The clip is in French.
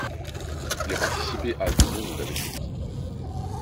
Il a participé à du monde avec cette équipe.